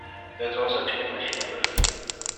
There is also a ticket machine available.